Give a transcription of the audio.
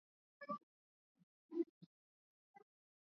ni kwamba mahakama anaosimamia